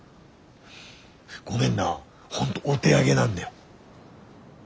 ごめんな本当お手上げなんだよ。